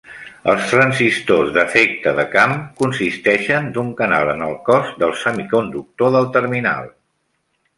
Els transistors d'efecte de camp consisteixen d'un canal en el cos del semiconductor del terminal.